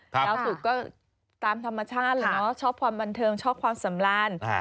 ดาวสุกก็ตามธรรมชาติแหละเนาะชอบความบันเทิงชอบความสำราญ